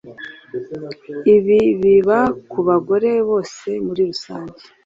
Ibi biba ku bagore bose muri rusange